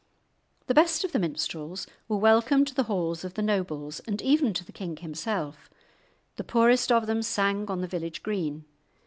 The best of the minstrels were welcome to the halls of the nobles, and even to the king himself; the poorest of them sang on the village green.